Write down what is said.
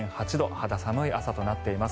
肌寒い朝となっています。